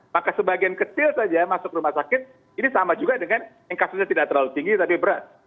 maka sebagian kecil saja masuk rumah sakit ini sama juga dengan yang kasusnya tidak terlalu tinggi tapi berat